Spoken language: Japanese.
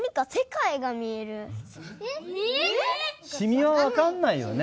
染みは分かんないよね。